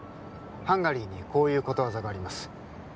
ハンガリーにこういうことわざがあります